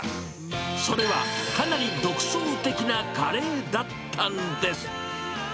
それは、かなり独創的なカレーだったんです。